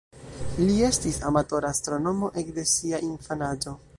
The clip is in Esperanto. Li estis amatora astronomo ekde sia infanaĝo.